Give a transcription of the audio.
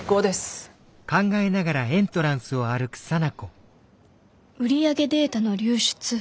心の声売り上げデータの流出。